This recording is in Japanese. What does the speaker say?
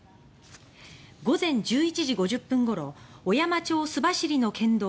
午前１１時５０分ごろ小山町須走の県道